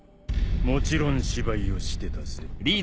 もちろん芝居をしてたぜ。